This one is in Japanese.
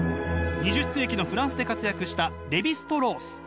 ２０世紀のフランスで活躍したレヴィ＝ストロース。